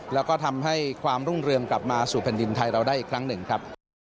แล้วก็ทำให้ความรุ่งเรืองกลับมาสู่แผ่นดินไทยเราได้อีกครั้งหนึ่งครับ